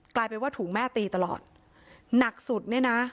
กลายเป็นว่าถูกแม่ตีตลอดหนักสุดเนี่ยนะ